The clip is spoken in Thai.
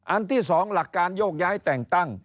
ที่๒หลักการโยกย้ายแต่งตั้ง